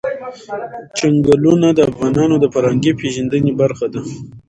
چنګلونه د افغانانو د فرهنګي پیژندنې برخه ده.